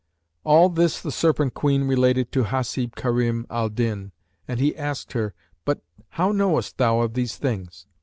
All this the Serpent queen related to Hasib Karim al Din, and he asked her, "But how knowest thou of these things?"